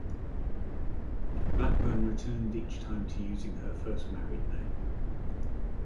Blackburn returned each time to using her first married name.